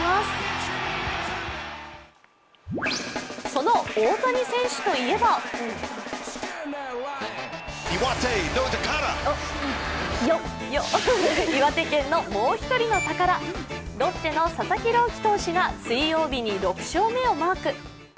その大谷選手といえば岩手県のもう一人の宝、ロッテの佐々木朗希投手が水曜日に６勝目をマーク。